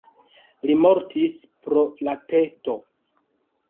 Li mortis pro la pesto.